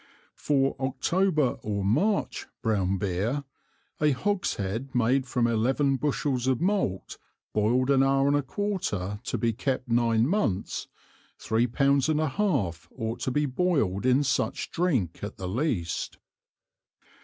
For October or March brown Beer, a Hogshead made from Eleven Bushels of Malt, boiled an Hour and a quarter to be kept Nine Months, three Pounds and a half ought to be boiled in such Drink at the least.